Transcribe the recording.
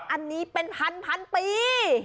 อันนี้เป็นพันปี